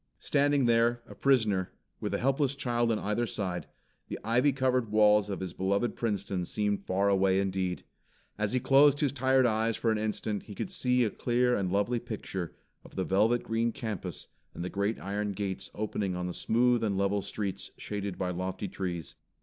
Standing there, a prisoner, with a helpless child on either side, the ivy covered walls of his beloved Princeton seemed far away indeed. As he closed his tired eyes for an instant he could see a clear and lovely picture of the velvet green campus and the great iron gates opening on the smooth and level streets shaded by lofty trees.